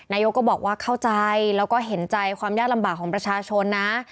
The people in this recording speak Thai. นายกก็บอกว่าเข้าใจแล้วก็เห็นใจความยากลำบากของประชาชนนะ